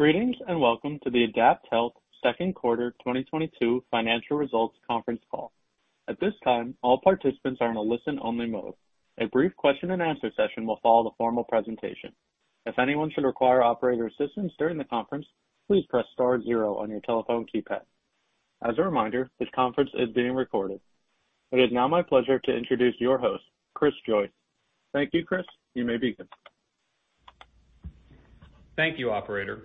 Greetings, and welcome to the AdaptHealth second quarter 2022 financial results conference call. At this time, all participants are in a listen-only mode. A brief question and answer session will follow the formal presentation. If anyone should require operator assistance during the conference, please press star zero on your telephone keypad. As a reminder, this conference is being recorded. It is now my pleasure to introduce your host, Chris Joyce. Thank you, Chris. You may begin. Thank you, operator.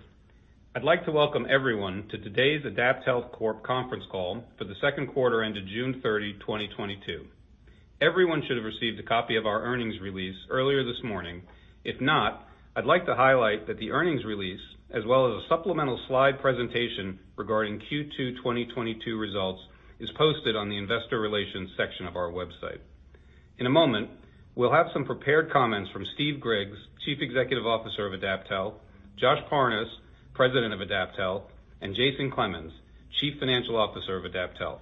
I'd like to welcome everyone to today's AdaptHealth Corp conference call for the second quarter ended June 30, 2022. Everyone should have received a copy of our earnings release earlier this morning. If not, I'd like to highlight that the earnings release, as well as a supplemental slide presentation regarding Q2 2022 results, is posted on the investor relations section of our website. In a moment, we'll have some prepared comments from Steve Griggs, Chief Executive Officer of AdaptHealth, Josh Parnes, President of AdaptHealth, and Jason Clemens, Chief Financial Officer of AdaptHealth.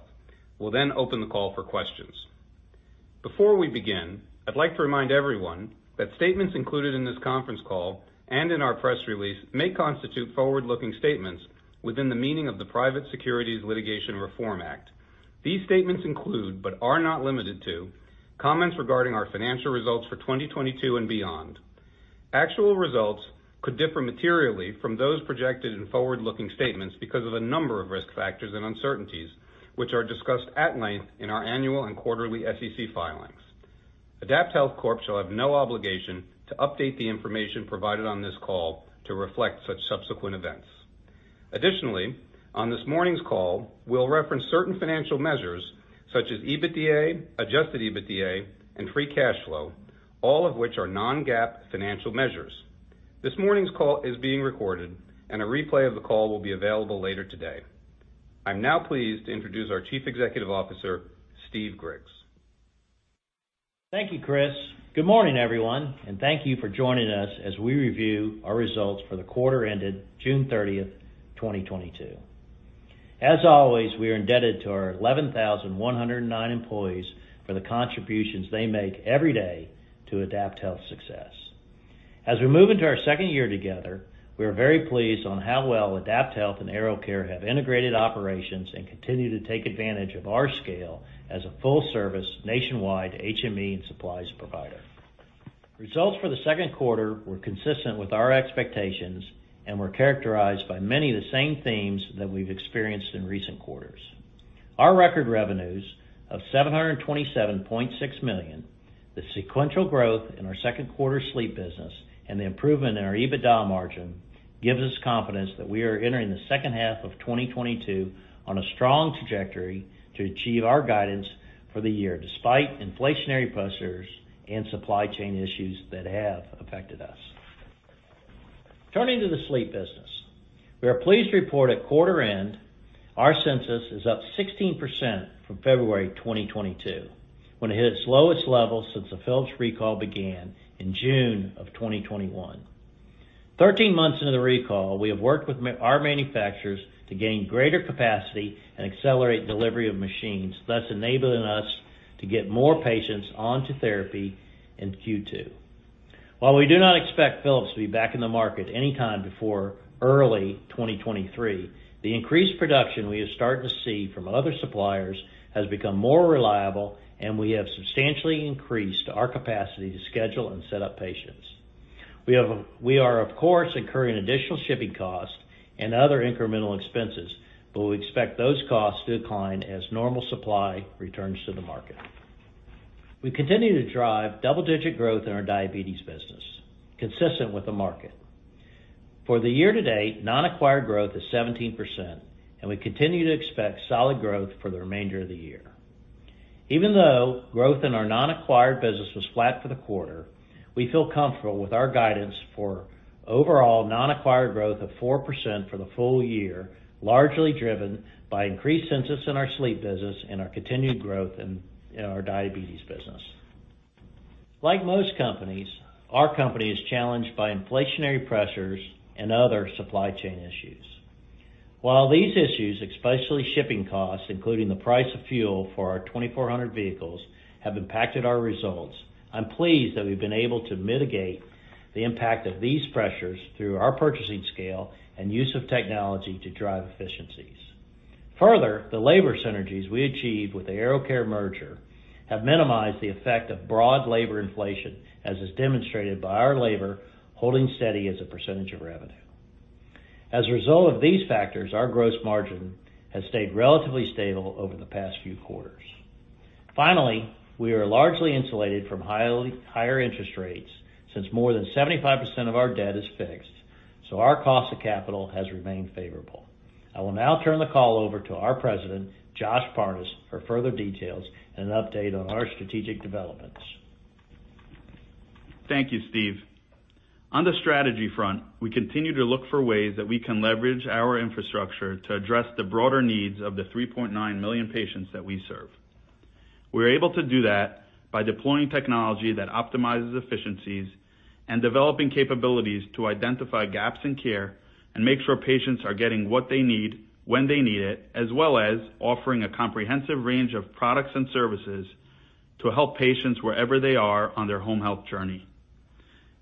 We'll then open the call for questions. Before we begin, I'd like to remind everyone that statements included in this conference call and in our press release may constitute forward-looking statements within the meaning of the Private Securities Litigation Reform Act. These statements include, but are not limited to, comments regarding our financial results for 2022 and beyond. Actual results could differ materially from those projected in forward-looking statements because of a number of risk factors and uncertainties, which are discussed at length in our annual and quarterly SEC filings. AdaptHealth Corp shall have no obligation to update the information provided on this call to reflect such subsequent events. Additionally, on this morning's call, we'll reference certain financial measures such as EBITDA, Adjusted EBITDA, and free cash flow, all of which are non-GAAP financial measures. This morning's call is being recorded, and a replay of the call will be available later today. I'm now pleased to introduce our Chief Executive Officer, Steve Griggs. Thank you, Chris. Good morning, everyone, and thank you for joining us as we review our results for the quarter ended June 30th, 2022. As always, we are indebted to our 11,109 employees for the contributions they make every day to AdaptHealth's success. As we move into our second year together, we are very pleased with how well AdaptHealth and AeroCare have integrated operations and continue to take advantage of our scale as a full service nationwide HME and supplies provider. Results for the second quarter were consistent with our expectations and were characterized by many of the same themes that we've experienced in recent quarters. Our record revenues of $727.6 million, the sequential growth in our second quarter sleep business, and the improvement in our EBITDA margin gives us confidence that we are entering the second half of 2022 on a strong trajectory to achieve our guidance for the year, despite inflationary pressures and supply chain issues that have affected us. Turning to the sleep business, we are pleased to report at quarter end, our census is up 16% from February 2022, when it hit its lowest level since the Philips recall began in June of 2021. 13 months into the recall, we have worked with our manufacturers to gain greater capacity and accelerate delivery of machines, thus enabling us to get more patients onto therapy in Q2. While we do not expect Philips to be back in the market anytime before early 2023, the increased production we have started to see from other suppliers has become more reliable, and we have substantially increased our capacity to schedule and set up patients. We are, of course, incurring additional shipping costs and other incremental expenses, but we expect those costs to decline as normal supply returns to the market. We continue to drive double-digit growth in our diabetes business, consistent with the market. For the year to date, non-acquired growth is 17%, and we continue to expect solid growth for the remainder of the year. Even though growth in our non-acquired business was flat for the quarter, we feel comfortable with our guidance for overall non-acquired growth of 4% for the full year, largely driven by increased census in our sleep business and our continued growth in our diabetes business. Like most companies, our company is challenged by inflationary pressures and other supply chain issues. While these issues, especially shipping costs, including the price of fuel for our 2,400 vehicles, have impacted our results, I'm pleased that we've been able to mitigate the impact of these pressures through our purchasing scale and use of technology to drive efficiencies. Further, the labor synergies we achieved with the AeroCare merger have minimized the effect of broad labor inflation, as is demonstrated by our labor holding steady as a percentage of revenue. As a result of these factors, our gross margin has stayed relatively stable over the past few quarters. Finally, we are largely insulated from higher interest rates since more than 75% of our debt is fixed, so our cost of capital has remained favorable. I will now turn the call over to our President, Josh Parnes, for further details and an update on our strategic developments. Thank you, Steve. On the strategy front, we continue to look for ways that we can leverage our infrastructure to address the broader needs of the 3.9 million patients that we serve. We're able to do that by deploying technology that optimizes efficiencies and developing capabilities to identify gaps in care and make sure patients are getting what they need when they need it, as well as offering a comprehensive range of products and services. To help patients wherever they are on their home health journey.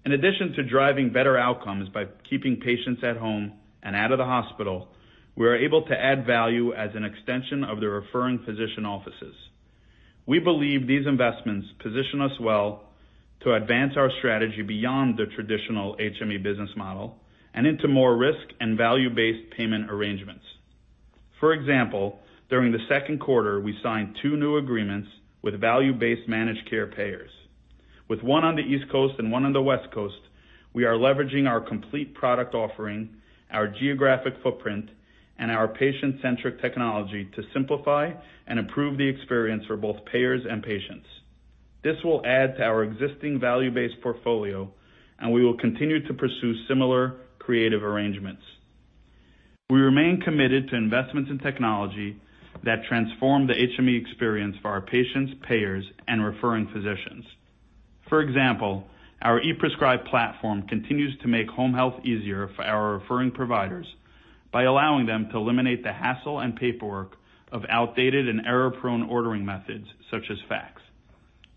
In addition to driving better outcomes by keeping patients at home and out of the hospital, we are able to add value as an extension of the referring physician offices. We believe these investments position us well to advance our strategy beyond the traditional HME business model and into more risk and value-based payment arrangements. For example, during the second quarter, we signed two new agreements with value-based managed care payers. With one on the East Coast and one on the West Coast, we are leveraging our complete product offering, our geographic footprint, and our patient-centric technology to simplify and improve the experience for both payers and patients. This will add to our existing value-based portfolio, and we will continue to pursue similar creative arrangements. We remain committed to investments in technology that transform the HME experience for our patients, payers, and referring physicians. For example, our ePrescribe platform continues to make home health easier for our referring providers by allowing them to eliminate the hassle and paperwork of outdated and error-prone ordering methods such as fax.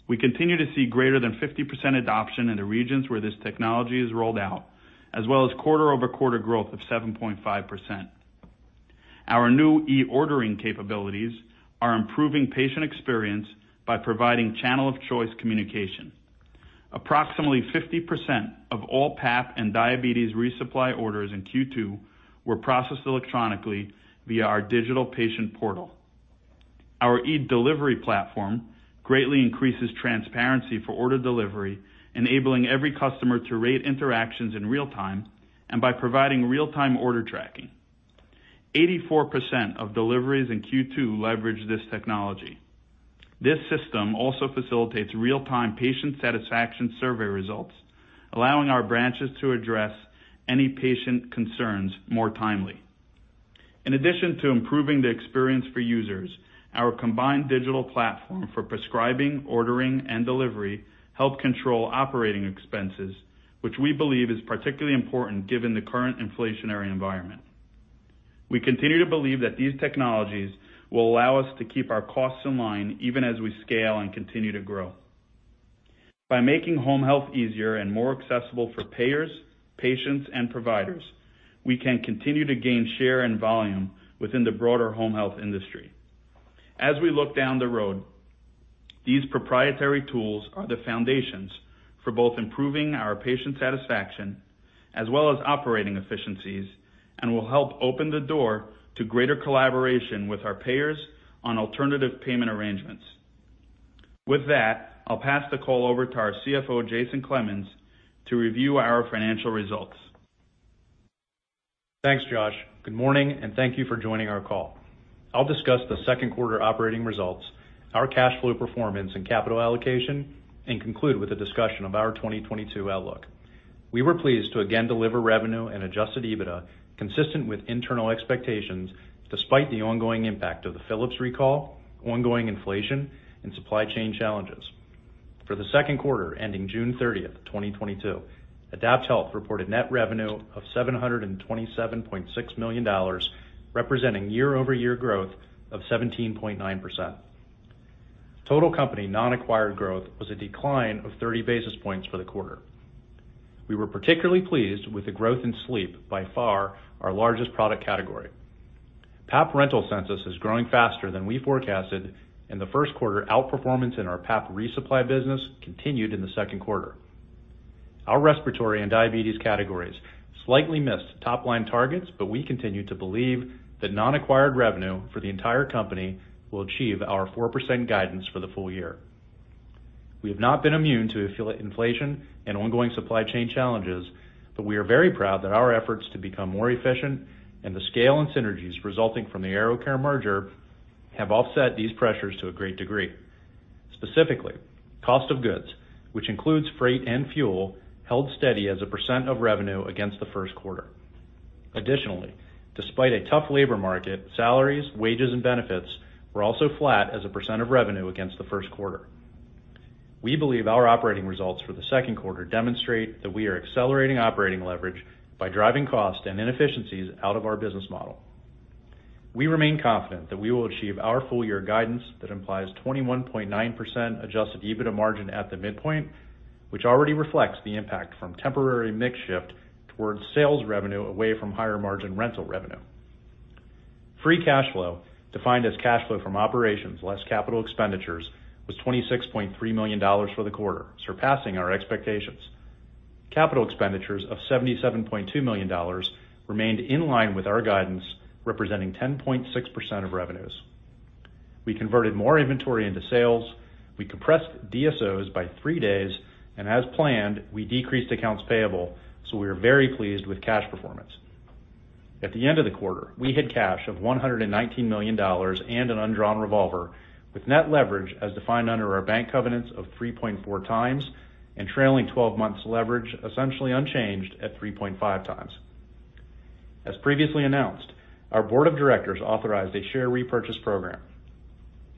We continue to see greater than 50% adoption in the regions where this technology is rolled out, as well as quarter-over-quarter growth of 7.5%. Our new eOrdering capabilities are improving patient experience by providing channel of choice communication. Approximately 50% of all PAP and diabetes resupply orders in Q2 were processed electronically via our digital patient portal. Our eDelivery platform greatly increases transparency for order delivery, enabling every customer to rate interactions in real time and by providing real-time order tracking. 84% of deliveries in Q2 leveraged this technology. This system also facilitates real-time patient satisfaction survey results, allowing our branches to address any patient concerns more timely. In addition to improving the experience for users, our combined digital platform for prescribing, ordering, and delivery help control operating expenses, which we believe is particularly important given the current inflationary environment. We continue to believe that these technologies will allow us to keep our costs in line, even as we scale and continue to grow. By making home health easier and more accessible for payers, patients, and providers, we can continue to gain share and volume within the broader home health industry. As we look down the road, these proprietary tools are the foundations for both improving our patient satisfaction as well as operating efficiencies, and will help open the door to greater collaboration with our payers on alternative payment arrangements. With that, I'll pass the call over to our CFO, Jason Clemens, to review our financial results. Thanks, Josh. Good morning, and thank you for joining our call. I'll discuss the second quarter operating results, our cash flow performance and capital allocation, and conclude with a discussion of our 2022 outlook. We were pleased to again deliver revenue and Adjusted EBITDA consistent with internal expectations, despite the ongoing impact of the Philips recall, ongoing inflation, and supply chain challenges. For the second quarter, ending June 30, 2022, AdaptHealth reported net revenue of $727.6 million, representing year-over-year growth of 17.9%. Total company non-acquired growth was a decline of 30 basis points for the quarter. We were particularly pleased with the growth in sleep, by far our largest product category. PAP rental census is growing faster than we forecasted, and the first quarter outperformance in our PAP resupply business continued in the second quarter. Our respiratory and diabetes categories slightly missed top-line targets, but we continue to believe that non-acquired revenue for the entire company will achieve our 4% guidance for the full year. We have not been immune to inflation and ongoing supply chain challenges, but we are very proud that our efforts to become more efficient and the scale and synergies resulting from the AeroCare merger have offset these pressures to a great degree. Specifically, cost of goods, which includes freight and fuel, held steady as a percent of revenue against the first quarter. Additionally, despite a tough labor market, salaries, wages, and benefits were also flat as a percent of revenue against the first quarter. We believe our operating results for the second quarter demonstrate that we are accelerating operating leverage by driving cost and inefficiencies out of our business model. We remain confident that we will achieve our full year guidance. That implies 21.9% Adjusted EBITDA margin at the midpoint, which already reflects the impact from temporary mix shift towards sales revenue away from higher margin rental revenue. Free cash flow, defined as cash flow from operations less capital expenditures, was $26.3 million for the quarter, surpassing our expectations. Capital expenditures of $77.2 million remained in line with our guidance, representing 10.6% of revenues. We converted more inventory into sales. We compressed DSOs by 3 days, and as planned, we decreased accounts payable, so we are very pleased with cash performance. At the end of the quarter, we had cash of $119 million and an undrawn revolver, with net leverage as defined under our bank covenants of 3.4x, and trailing twelve months leverage essentially unchanged at 3.5x. As previously announced, our board of directors authorized a share repurchase program.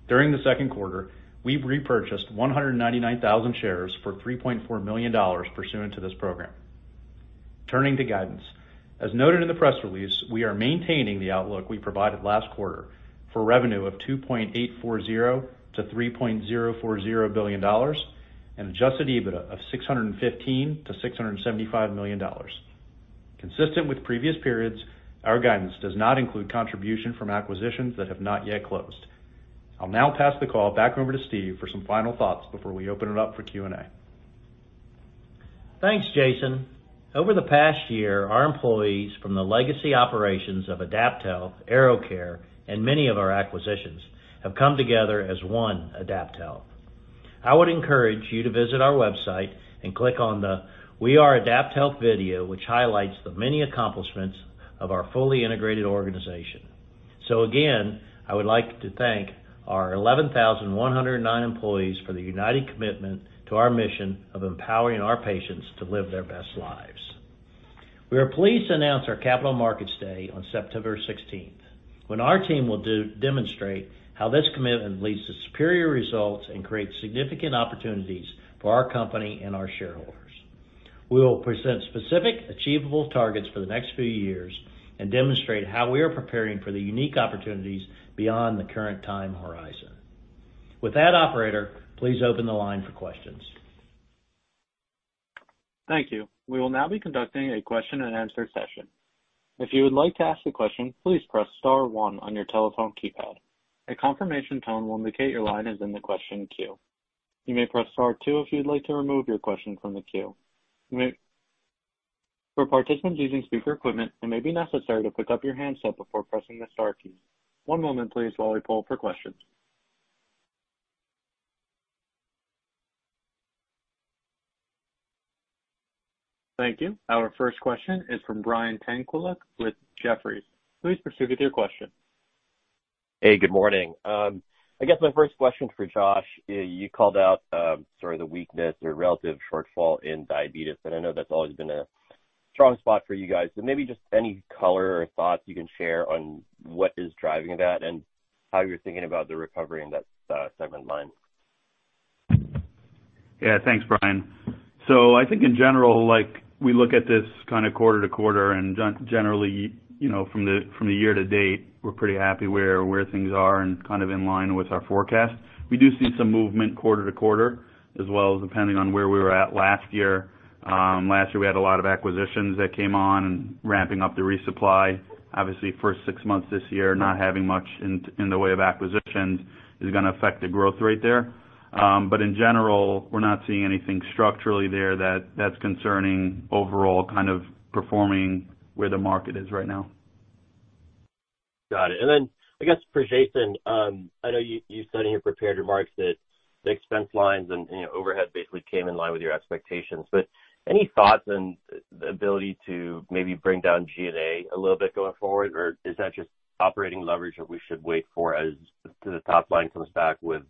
During the second quarter, we repurchased 199,000 shares for $3.4 million pursuant to this program. Turning to guidance. As noted in the press release, we are maintaining the outlook we provided last quarter for revenue of $2.840 billion-$3.040 billion and Adjusted EBITDA of $615 million-$675 million. Consistent with previous periods, our guidance does not include contribution from acquisitions that have not yet closed. I'll now pass the call back over to Steve for some final thoughts before we open it up for Q&A. Thanks, Jason. Over the past year, our employees from the legacy operations of AdaptHealth, AeroCare, and many of our acquisitions have come together as one AdaptHealth. I would encourage you to visit our website and click on the We Are AdaptHealth video, which highlights the many accomplishments of our fully integrated organization. Again, I would like to thank our 11,109 employees for their united commitment to our mission of empowering our patients to live their best lives. We are pleased to announce our Capital Markets Day on September 16th, when our team will demonstrate how this commitment leads to superior results and creates significant opportunities for our company and our shareholders. We will present specific achievable targets for the next few years and demonstrate how we are preparing for the unique opportunities beyond the current time horizon. With that operator, please open the line for questions. Thank you. We will now be conducting a question-and-answer session. If you would like to ask a question, please press star one on your telephone keypad. A confirmation tone will indicate your line is in the question queue. You may press star two if you'd like to remove your question from the queue. For participants using speaker equipment, it may be necessary to pick up your handset before pressing the star key. One moment please while we poll for questions. Thank you. Our first question is from Brian Tanquilut with Jefferies. Please proceed with your question. Hey, good morning. I guess my first question is for Josh. You called out sort of the weakness or relative shortfall in diabetes, and I know that's always been a strong spot for you guys. Maybe just any color or thoughts you can share on what is driving that and how you're thinking about the recovery in that segment line. Yeah. Thanks, Brian. I think in general, like, we look at this kind of quarter to quarter, and generally, you know, from the year to date, we're pretty happy where things are and kind of in line with our forecast. We do see some movement quarter to quarter, as well as depending on where we were at last year. Last year, we had a lot of acquisitions that came on and ramping up the resupply. Obviously, first six months this year, not having much in the way of acquisitions is gonna affect the growth rate there. In general, we're not seeing anything structurally there that's concerning overall kind of performing where the market is right now. Got it. Then I guess for Jason, I know you said in your prepared remarks that the expense lines and your overhead basically came in line with your expectations. But any thoughts on the ability to maybe bring down G&A a little bit going forward? Or is that just operating leverage that we should wait for as the top line comes back with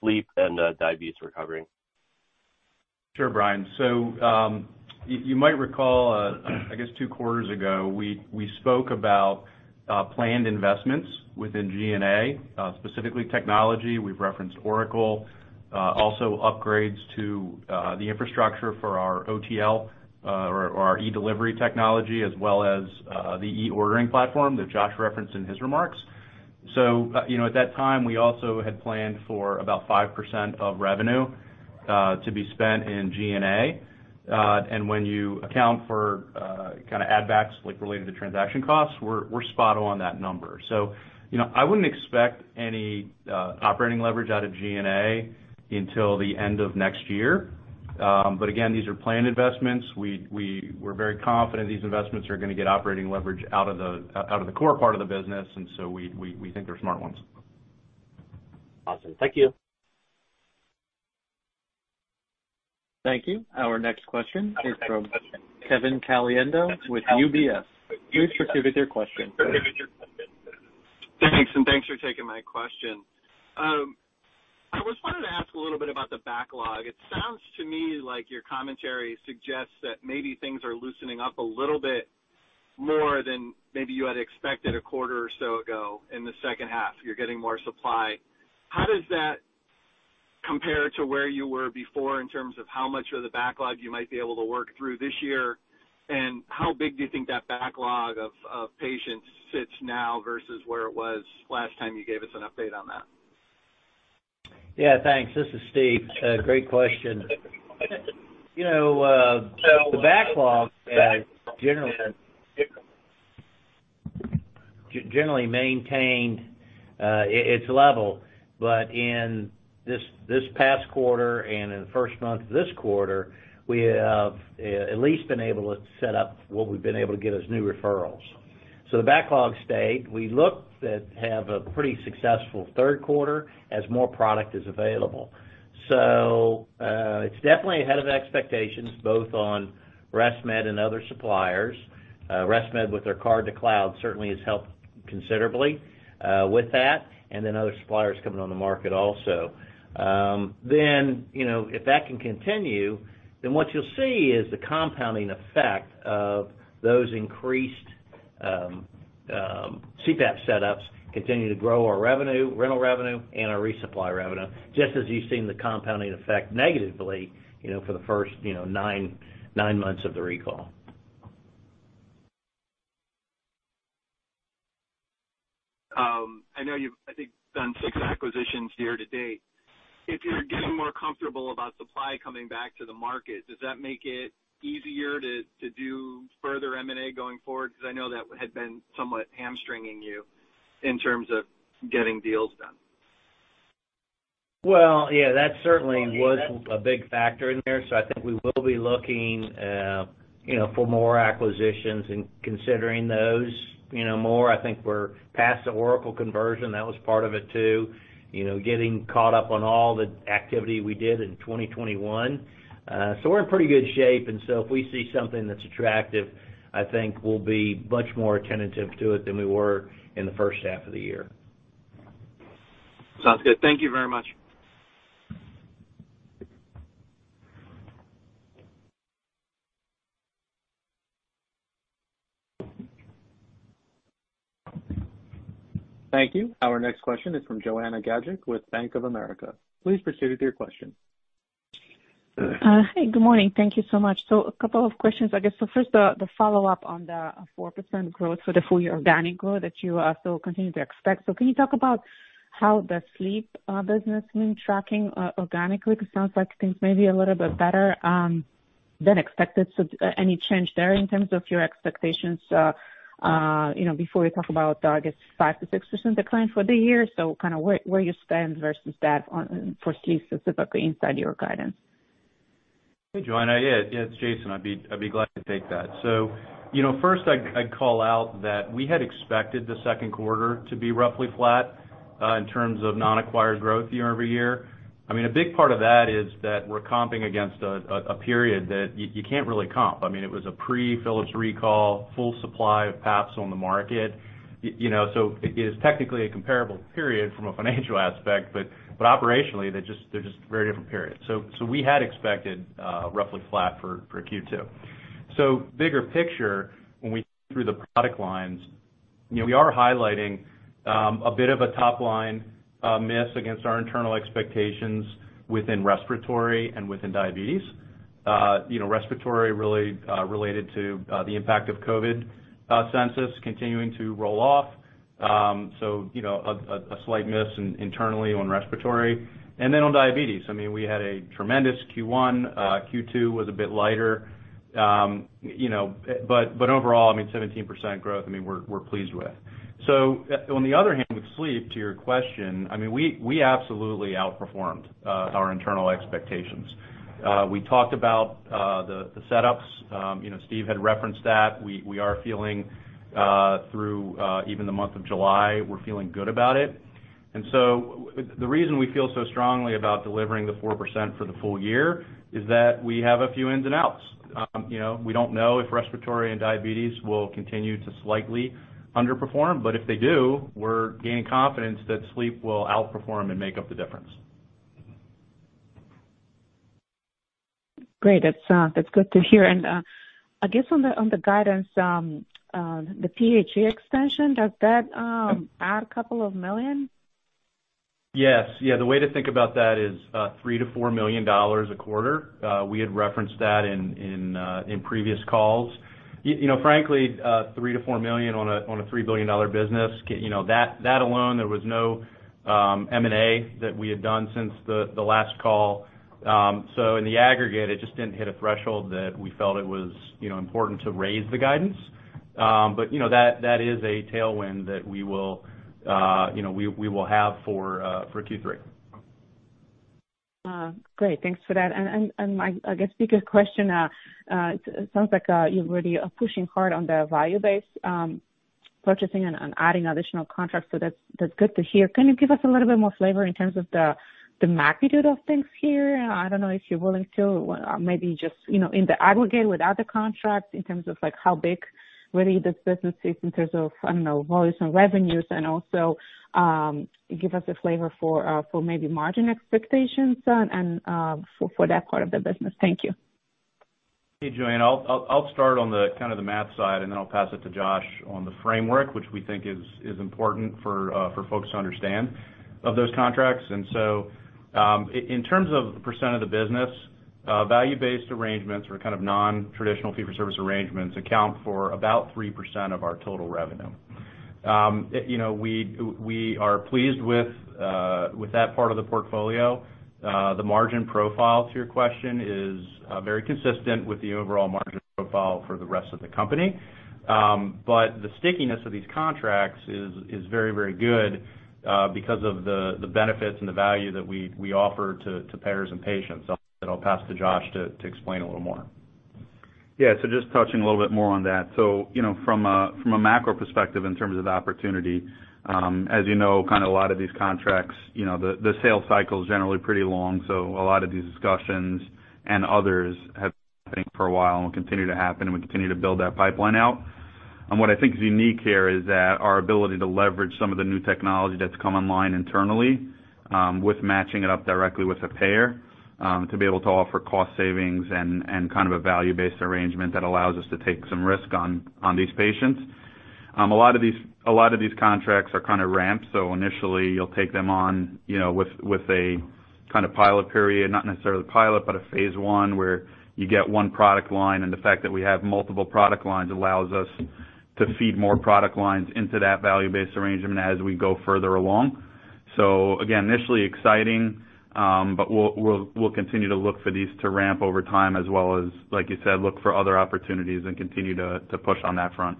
sleep and diabetes recovering? Sure, Brian. You might recall, I guess 2 quarters ago, we spoke about planned investments within G&A, specifically technology. We've referenced Oracle, also upgrades to the infrastructure for our OTL, or our eDelivery technology, as well as the eOrdering platform that Josh referenced in his remarks. You know, at that time, we also had planned for about 5% of revenue to be spent in G&A. When you account for kinda add backs, like related to transaction costs, we're spot on that number. You know, I wouldn't expect any operating leverage out of G&A until the end of next year. Again, these are planned investments. We're very confident these investments are gonna get operating leverage out of the core part of the business, and so we think they're smart ones. Awesome. Thank you. Thank you. Our next question is from Kevin Caliendo with UBS. Please proceed with your question. Thanks, and thanks for taking my question. I was wanting to ask a little bit about the backlog. It sounds to me like your commentary suggests that maybe things are loosening up a little bit more than maybe you had expected a quarter or so ago in the second half. You're getting more supply. How does that compare to where you were before in terms of how much of the backlog you might be able to work through this year? How big do you think that backlog of patients sits now versus where it was last time you gave us an update on that? Yeah, thanks. This is Steve. Great question. You know, the backlog generally maintained its level. In this past quarter and in the first month of this quarter, we have at least been able to set up what we've been able to get as new referrals. The backlog stayed. We look to have a pretty successful third quarter as more product is available. It's definitely ahead of expectations, both on ResMed and other suppliers. ResMed with their Card-to-Cloud certainly has helped considerably with that, and then other suppliers coming on the market also. You know, if that can continue, then what you'll see is the compounding effect of those increased CPAP setups continue to grow our revenue, rental revenue and our resupply revenue, just as you've seen the compounding effect negatively, you know, for the first nine months of the recall. I know you've, I think, done 6 acquisitions year-to-date. If you're getting more comfortable about supply coming back to the market, does that make it easier to do further M&A going forward? Because I know that had been somewhat hamstringing you in terms of getting deals done. Well, yeah, that certainly was a big factor in there, so I think we will be looking, you know, for more acquisitions and considering those, you know, more. I think we're past the Oracle conversion. That was part of it too, you know, getting caught up on all the activity we did in 2021. We're in pretty good shape. If we see something that's attractive, I think we'll be much more attentive to it than we were in the first half of the year. Sounds good. Thank you very much. Thank you. Our next question is from Joanna Gajuk with Bank of America. Please proceed with your question. Hi. Good morning. Thank you so much. A couple of questions, I guess. First, the follow-up on the 4% growth for the full year organic growth that you still continue to expect. Can you talk about how the sleep business been tracking organically? Because it sounds like things may be a little bit better than expected. Any change there in terms of your expectations, you know, before we talk about the, I guess, 5%-6% decline for the year. Kind of where you stand versus that on, for sleep specifically inside your guidance. Hey, Joanna. Yeah, it's Jason. I'd be glad to take that. You know, first, I'd call out that we had expected the second quarter to be roughly flat in terms of non-acquired growth year-over-year. I mean, a big part of that is that we're comping against a period that you can't really comp. I mean, it was a pre-Philips recall, full supply of PAPs on the market. You know, so it is technically a comparable period from a financial aspect, but operationally, they're just very different periods. We had expected roughly flat for Q2. Bigger picture, when we look through the product lines, you know, we are highlighting a bit of a top line miss against our internal expectations within respiratory and within diabetes. You know, respiratory really related to the impact of COVID census continuing to roll off. You know, a slight miss internally on respiratory. Then on diabetes, I mean, we had a tremendous Q1. Q2 was a bit lighter. You know, but overall, I mean, 17% growth, I mean, we're pleased with. On the other hand, with sleep, to your question, I mean, we absolutely outperformed our internal expectations. We talked about the setups. You know, Steve had referenced that. We are feeling through even the month of July, we're feeling good about it. The reason we feel so strongly about delivering the 4% for the full year is that we have a few ins and outs. You know, we don't know if respiratory and diabetes will continue to slightly underperform, but if they do, we're gaining confidence that sleep will outperform and make up the difference. Great. That's good to hear. I guess on the guidance, the PHE extension, does that add a couple of millions? Yes. Yeah, the way to think about that is $3 million-$4 million a quarter. We had referenced that in previous calls. You know, frankly, $3 million-$4 million on a $3 billion business, you know, that alone, there was no M&A that we had done since the last call. In the aggregate, it just didn't hit a threshold that we felt it was important to raise the guidance. You know, that is a tailwind that we will have for Q3. Great. Thanks for that. My, I guess, bigger question, it sounds like you're really pushing hard on the value-based purchasing and adding additional contracts. That's good to hear. Can you give us a little bit more flavor in terms of the magnitude of things here? I don't know if you're willing to, or maybe just, you know, in the aggregate without the contracts in terms of like how big really this business is in terms of, I don't know, volumes and revenues, and also, give us a flavor for maybe margin expectations and for that part of the business. Thank you. Hey, Joanna. I'll start on the kind of the math side, and then I'll pass it to Josh on the framework, which we think is important for folks to understand of those contracts. In terms of the percent of the business, value-based arrangements or kind of non-traditional fee for service arrangements account for about 3% of our total revenue. You know, we are pleased with that part of the portfolio. The margin profile, to your question, is very consistent with the overall margin profile for the rest of the company. But the stickiness of these contracts is very, very good because of the benefits and the value that we offer to payers and patients. I'll pass to Josh to explain a little more. Yeah. Just touching a little bit more on that. You know, from a macro perspective in terms of the opportunity, as you know, kind of a lot of these contracts, you know, the sales cycle is generally pretty long. A lot of these discussions and others have been happening for a while and continue to happen, and we continue to build that pipeline out. What I think is unique here is that our ability to leverage some of the new technology that's come online internally, with matching it up directly with a payer, to be able to offer cost savings and kind of a value-based arrangement that allows us to take some risk on these patients. A lot of these contracts are kinda ramped, so initially you'll take them on, you know, with a kinda pilot period, not necessarily pilot, but a phase one where you get one product line. The fact that we have multiple product lines allows us to feed more product lines into that value-based arrangement as we go further along. Again, initially exciting, but we'll continue to look for these to ramp over time as well as, like you said, look for other opportunities and continue to push on that front.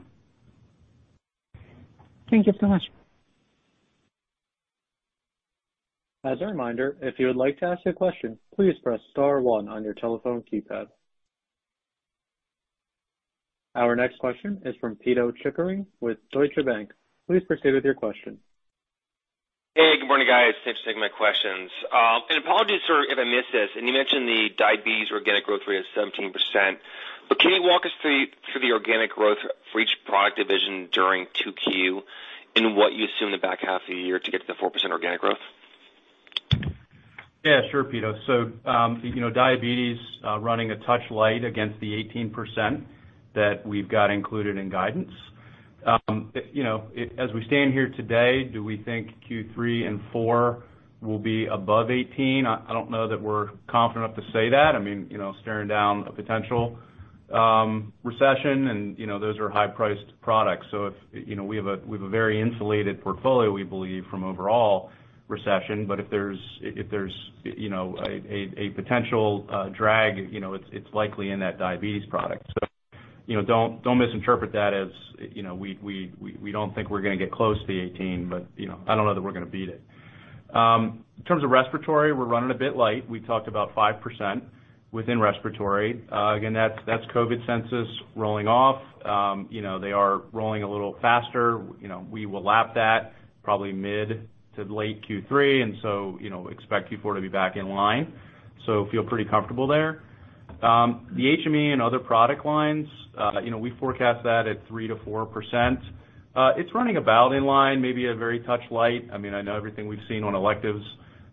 Thank you so much. As a reminder, if you would like to ask a question, please press star one on your telephone keypad. Our next question is from Pito Chickering with Deutsche Bank. Please proceed with your question. Hey, good morning, guys. Thanks for taking my questions. Apologies for if I missed this, you mentioned the diabetes organic growth rate is 17%, but can you walk us through the organic growth for each product division during 2Q and what you assume the back half of the year to get to the 4% organic growth? Yeah, sure, Pito. You know, diabetes running a touch light against the 18% that we've got included in guidance. You know, as we stand here today, do we think Q3 and Q4 will be above 18%? I don't know that we're confident enough to say that. I mean, you know, staring down a potential recession and, you know, those are high-priced products. You know, we have a very insulated portfolio we believe from overall recession, but if there's you know, a potential drag, you know, it's likely in that diabetes product. You know, don't misinterpret that as, you know, we don't think we're gonna get close to the 18%, but, you know, I don't know that we're gonna beat it. In terms of respiratory, we're running a bit light. We talked about 5% within respiratory. Again, that's COVID census rolling off. You know, they are rolling a little faster. You know, we will lap that probably mid to late Q3, and so, you know, expect Q4 to be back in line, so feel pretty comfortable there. The HME and other product lines, you know, we forecast that at 3%-4%. It's running about in line, maybe a very touch light. I mean, I know everything we've seen on electives,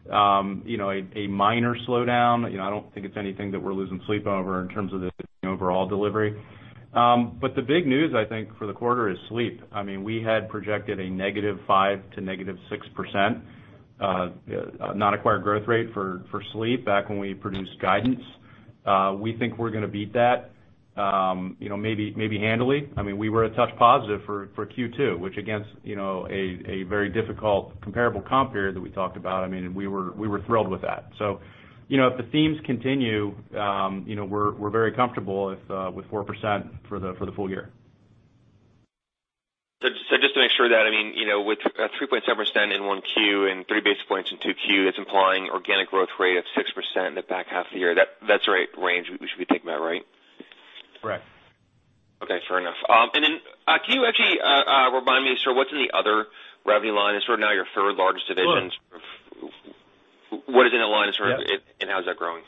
you know, a minor slowdown. You know, I don't think it's anything that we're losing sleep over in terms of the overall delivery. But the big news, I think, for the quarter is sleep. I mean, we had projected a -5% to -6% non-acquired growth rate for sleep back when we produced guidance. We think we're gonna beat that, you know, maybe handily. I mean, we were a touch positive for Q2, which against, you know, a very difficult comparable comp period that we talked about. I mean, we were thrilled with that. You know, if the themes continue, you know, we're very comfortable with 4% for the full year. Just to make sure that, I mean, you know, with 3.7% in 1Q and three basis points in 2Q, that's implying organic growth rate of 6% in the back half of the year. That's the right range we should be thinking about, right? Correct. Okay, fair enough. Can you actually remind me, sir, what's in the other revenue line? It's sort of now your third-largest division. Sure. What is in the line and sort of? Yeah. How is that growing?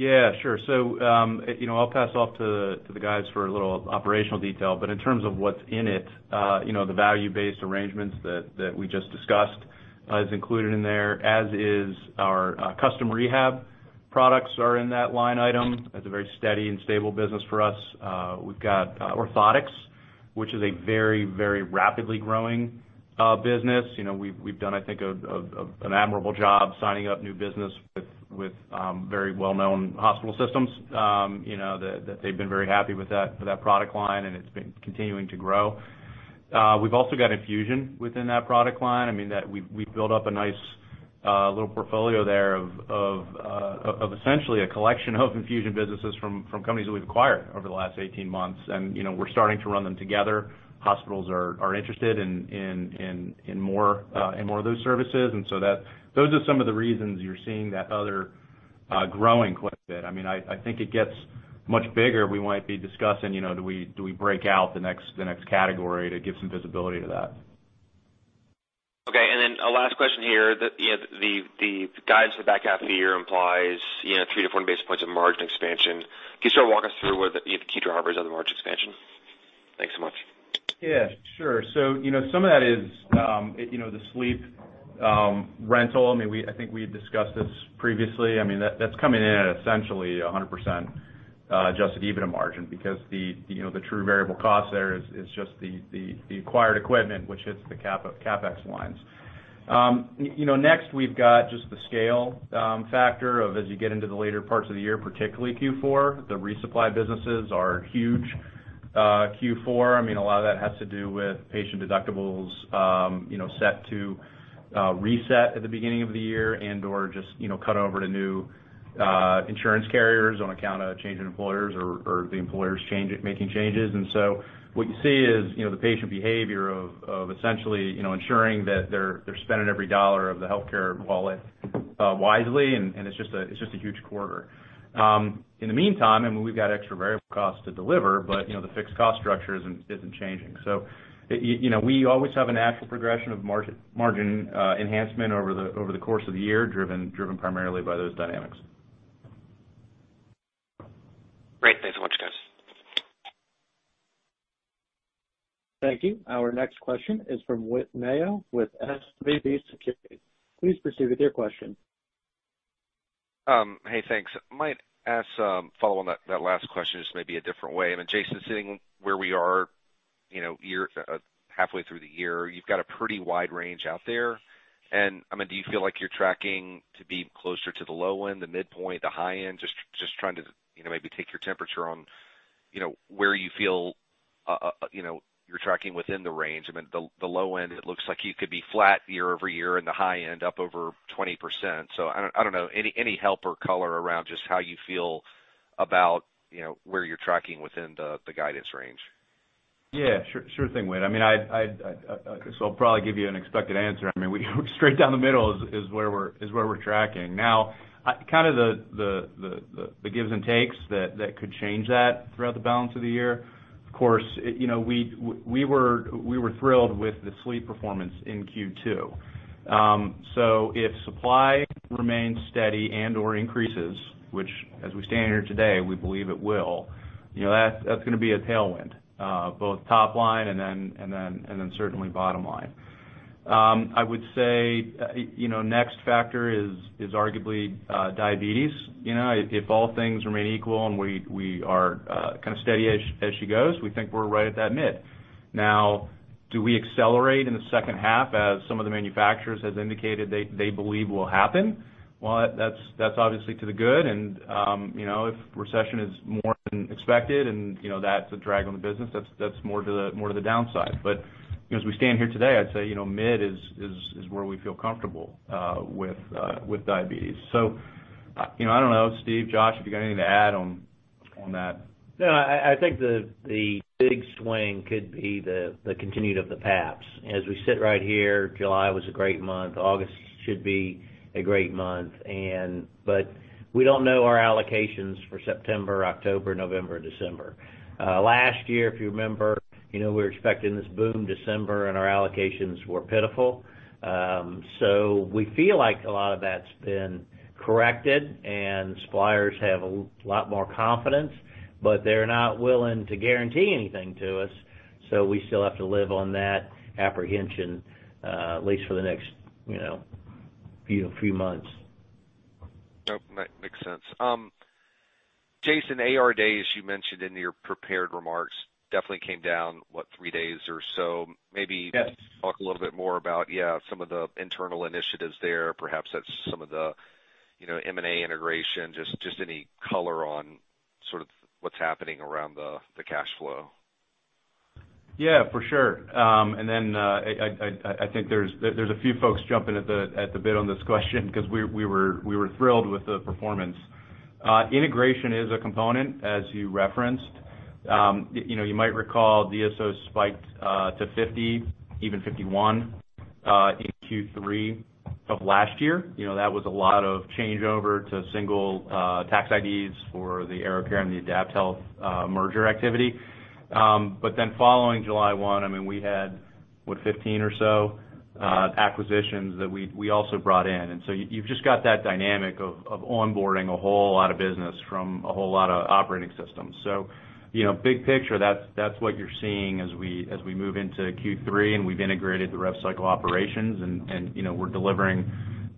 Yeah, sure. I'll pass off to the guys for a little operational detail. In terms of what's in it, you know, the value-based arrangements that we just discussed is included in there, as is our custom rehab products are in that line item. That's a very steady and stable business for us. We've got orthotics, which is a very rapidly growing business. You know, we've done, I think, an admirable job signing up new business with very well-known hospital systems, you know, that they've been very happy with that product line, and it's been continuing to grow. We've also got infusion within that product line. I mean, that we've built up a nice little portfolio there of essentially a collection of infusion businesses from companies that we've acquired over the last 18 months. You know, we're starting to run them together. Hospitals are interested in more of those services. Those are some of the reasons you're seeing that other growing quite a bit. I mean, I think it gets much bigger. We might be discussing, you know, do we break out the next category to give some visibility to that. Okay. A last question here. The, you know, the guidance for the back half of the year implies, you know, 3-4 basis points of margin expansion. Can you sort of walk us through what the, you know, the key drivers of the margin expansion? Thanks so much. Yeah, sure. You know, some of that is, you know, the sleep rental. I mean, I think we had discussed this previously. I mean, that's coming in at essentially 100% Adjusted EBITDA margin because, you know, the true variable cost there is just the acquired equipment, which hits the CapEx lines. You know, next, we've got just the scale factor of as you get into the later parts of the year, particularly Q4, the resupply businesses are huge. Q4, I mean, a lot of that has to do with patient deductibles, you know, set to reset at the beginning of the year and/or just, you know, cut over to new insurance carriers on account of change in employers or the employers change it, making changes. What you see is, you know, the patient behavior of essentially, you know, ensuring that they're spending every dollar of the healthcare wallet wisely, and it's just a huge quarter. In the meantime, I mean, we've got extra variable costs to deliver, but, you know, the fixed cost structure isn't changing. You know, we always have a natural progression of margin enhancement over the course of the year, driven primarily by those dynamics. Great. Thanks so much, guys. Thank you. Our next question is from Whit Mayo with SVB Securities. Please proceed with your question. Hey, thanks. May I ask a follow-on to that last question, just maybe a different way. I mean, Jason, sitting where we are, you know, halfway through the year, you've got a pretty wide range out there. I mean, do you feel like you're tracking to be closer to the low end, the midpoint, the high end? Just trying to, you know, maybe take your temperature on, you know, where you feel you're tracking within the range. I mean, the low end, it looks like you could be flat year-over-year, and the high end, up over 20%. I don't know, any help or color around just how you feel about, you know, where you're tracking within the guidance range. Yeah, sure thing, Whit Mayo. I mean, this will probably give you an expected answer. I mean, we straight down the middle is where we're tracking. Now, kind of the gives and takes that could change that throughout the balance of the year. Of course, you know, we were thrilled with the sleep performance in Q2. So if supply remains steady and/or increases, which as we stand here today, we believe it will, you know, that's gonna be a tailwind both top line and then certainly bottom line. I would say, you know, next factor is arguably diabetes. You know, if all things remain equal and we are kind of steady as she goes, we think we're right at that mid. Now, do we accelerate in the second half as some of the manufacturers has indicated they believe will happen? Well, that's obviously to the good. You know, if recession is more than expected and, you know, that's a drag on the business, that's more to the downside. You know, as we stand here today, I'd say, you know, mid is where we feel comfortable with diabetes. You know, I don't know, Steve, Josh, if you got anything to add on that. No, I think the big swing could be the continued of the PAPs. As we sit right here, July was a great month, August should be a great month, but we don't know our allocations for September, October, November, December. Last year, if you remember, you know, we were expecting this boom December and our allocations were pitiful. So we feel like a lot of that's been corrected and suppliers have a lot more confidence, but they're not willing to guarantee anything to us, so we still have to live on that apprehension, at least for the next, you know, few months. Nope, that makes sense. Jason, AR days you mentioned in your prepared remarks definitely came down, what, three days or so. Yes. Maybe talk a little bit more about, yeah, some of the internal initiatives there. Perhaps that's some of the, you know, M&A integration, just any color on sort of what's happening around the cash flow. Yeah, for sure. I think there's a few folks jumping at the bit on this question 'cause we were thrilled with the performance. Integration is a component as you referenced. You know, you might recall DSO spiked to 50, even 51, in Q3 of last year. You know, that was a lot of changeover to single tax IDs for the AeroCare and the AdaptHealth merger activity. Following July 1, I mean, we had, what, 15 or so acquisitions that we also brought in. You've just got that dynamic of onboarding a whole lot of business from a whole lot of operating systems. You know, big picture, that's what you're seeing as we move into Q3 and we've integrated the rev cycle operations and you know, we're delivering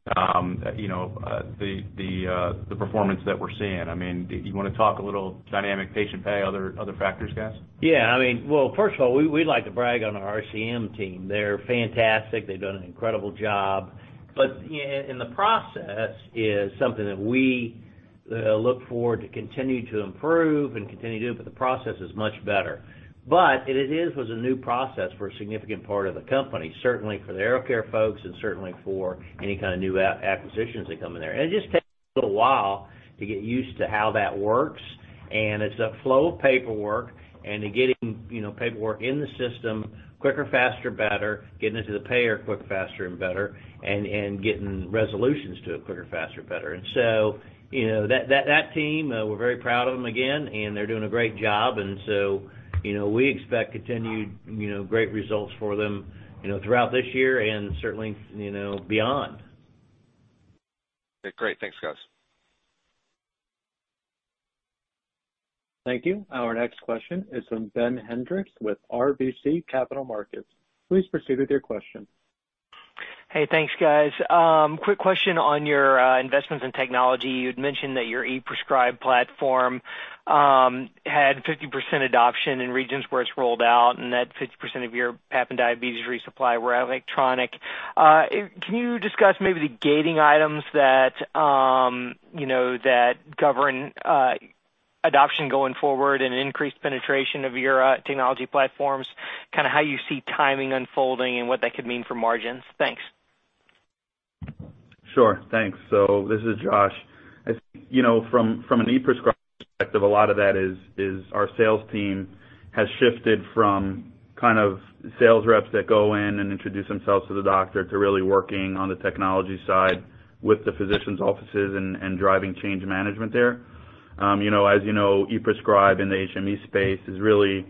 the performance that we're seeing. I mean, do you wanna talk a little dynamic patient pay, other factors, guys? Yeah, I mean. Well, first of all, we like to brag on our RCM team. They're fantastic. They've done an incredible job. Yeah, and the process is something that we look forward to continue to improve and continue to, but the process is much better. It was a new process for a significant part of the company, certainly for the AeroCare folks and certainly for any kind of new acquisitions that come in there. It just takes a little while to get used to how that works, and it's a flow of paperwork and to getting, you know, paperwork in the system quicker, faster, better, getting it to the payer quicker, faster, and better, and getting resolutions to it quicker, faster, better. You know, that team, we're very proud of them again, and they're doing a great job. You know, we expect continued, you know, great results for them, you know, throughout this year and certainly, you know, beyond. Okay, great. Thanks, guys. Thank you. Our next question is from Ben Hendrix with RBC Capital Markets. Please proceed with your question. Hey, thanks, guys. Quick question on your investments in technology. You'd mentioned that your ePrescribe platform had 50% adoption in regions where it's rolled out, and that 50% of your PAP and diabetes resupply were electronic. Can you discuss maybe the gating items that you know that govern adoption going forward and increased penetration of your technology platforms, kind of how you see timing unfolding and what that could mean for margins? Thanks. Sure. Thanks. This is Josh. I think, you know, from an ePrescribe perspective, a lot of that is our sales team has shifted from kind of sales reps that go in and introduce themselves to the doctor to really working on the technology side with the physician's offices and driving change management there. You know, as you know, ePrescribe in the HME space is really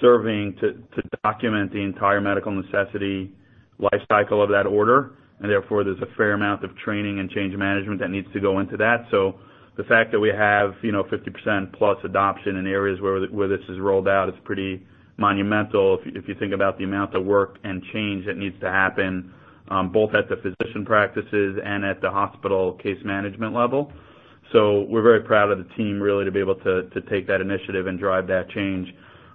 serving to document the entire medical necessity life cycle of that order, and therefore, there's a fair amount of training and change management that needs to go into that. The fact that we have, you know, 50%+ adoption in areas where this is rolled out is pretty monumental if you think about the amount of work and change that needs to happen, both at the physician practices and at the hospital case management level. We're very proud of the team really to be able to take that initiative and drive that change.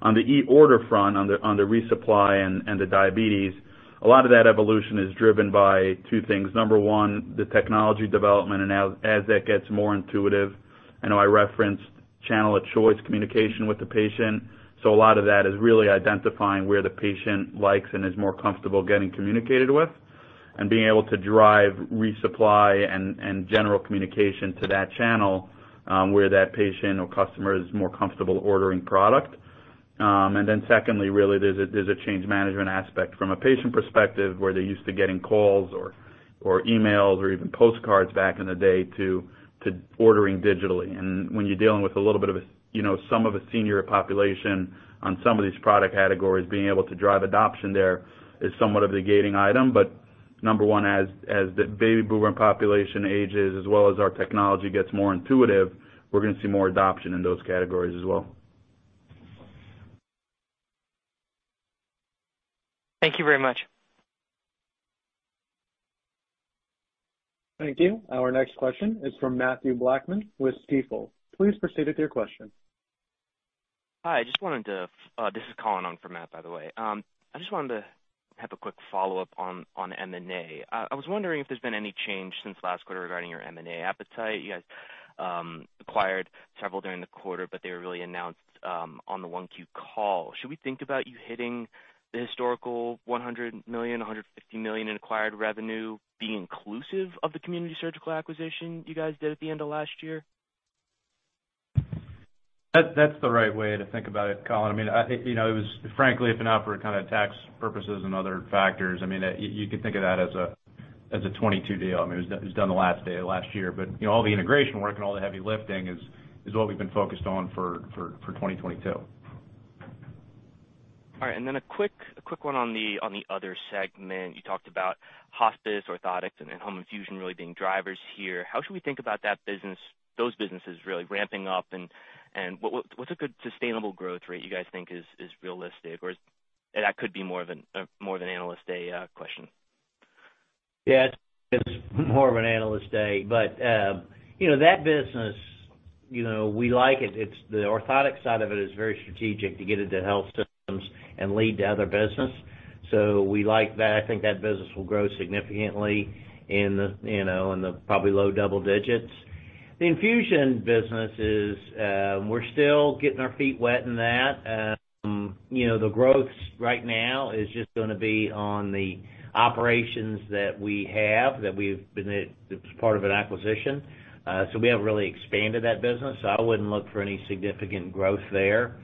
On the e-order front, on the resupply and the diabetes, a lot of that evolution is driven by two things. Number one, the technology development and now as that gets more intuitive, I know I referenced channel of choice communication with the patient. A lot of that is really identifying where the patient likes and is more comfortable getting communicated with, and being able to drive resupply and general communication to that channel, where that patient or customer is more comfortable ordering product. Then secondly, really, there's a change management aspect from a patient perspective, where they're used to getting calls or emails or even postcards back in the day to ordering digitally. When you're dealing with a little bit of a, you know, some of a senior population on some of these product categories, being able to drive adoption there is somewhat of a gating item. Number one, as the baby boomer population ages, as well as our technology gets more intuitive, we're gonna see more adoption in those categories as well. Thank you very much. Thank you. Our next question is from Mathew Blackman with Stifel. Please proceed with your question. Hi. This is [Colin] in for Matt, by the way. I just wanted to have a quick follow-up on M&A. I was wondering if there's been any change since last quarter regarding your M&A appetite. You guys acquired several during the quarter, but they were really announced on the 1Q call. Should we think about you hitting the historical $100 million-$150 million in acquired revenue being inclusive of the Community Surgical Supply acquisition you guys did at the end of last year? That's the right way to think about it, Colin. I mean, you know, it was frankly, if not for kind of tax purposes and other factors, I mean, you could think of that as a 2022 deal. I mean, it was done the last day of last year. You know, all the integration work and all the heavy lifting is what we've been focused on for 2022. All right. A quick one on the other segment. You talked about hospice, orthotics and home infusion really being drivers here. How should we think about that business, those businesses really ramping up and what's a good sustainable growth rate you guys think is realistic? Or that could be more than analyst day question. Yeah. It's more of an analyst day, but, you know, that business, you know, we like it. It's the orthotics side of it is very strategic to get into health systems and lead to other business. We like that. I think that business will grow significantly in the, you know, in the probably low double digits. The infusion business is, we're still getting our feet wet in that. You know, the growth right now is just gonna be on the operations that we have, that we've been a part of an acquisition. We haven't really expanded that business, so I wouldn't look for any significant growth there.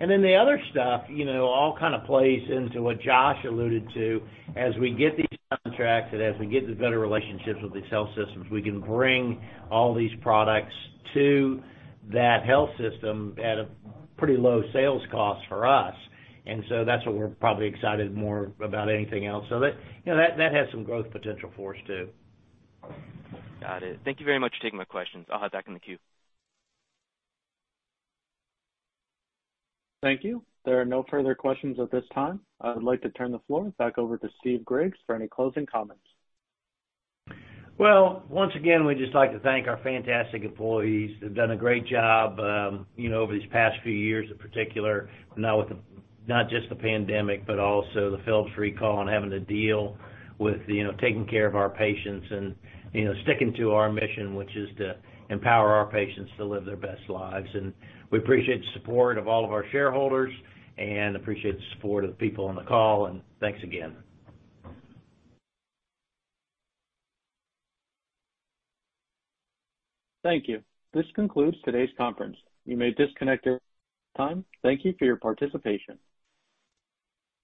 The other stuff, you know, all kind of plays into what Josh alluded to. As we get these contracts and as we get the better relationships with these health systems, we can bring all these products to that health system at a pretty low sales cost for us. That's what we're probably excited more about anything else. That, you know, has some growth potential for us too. Got it. Thank you very much for taking my questions. I'll hop back in the queue. Thank you. There are no further questions at this time. I would like to turn the floor back over to Steve Griggs for any closing comments. Well, once again, we'd just like to thank our fantastic employees. They've done a great job, you know, over these past few years in particular, not just the pandemic, but also the Philips recall and having to deal with, you know, taking care of our patients and, you know, sticking to our mission, which is to empower our patients to live their best lives. We appreciate the support of all of our shareholders and appreciate the support of people on the call, and thanks again. Thank you. This concludes today's conference. You may disconnect. Thank you for your time. Thank you for your participation.